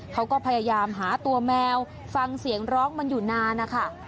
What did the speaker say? เขาก็พยายามหาตัวแมวฟังเสียงร้องมันอยู่นานนะคะ